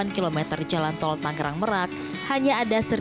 untuk menemukan tol yang bergelombang dan juga beruspir